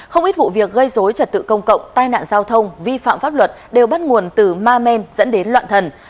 không ít vụ việc gây dối trật tự công cộng tai nạn giao thông vi phạm pháp luật đều bắt nguồn từ ma men dẫn đến loạn thần